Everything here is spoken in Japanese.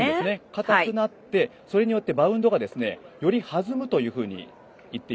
固くなってそれによってマウンドがより弾むというふうに。